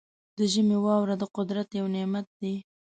د ژمي واوره د قدرت یو نعمت دی.